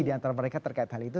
jadi antara mereka terkait hal itu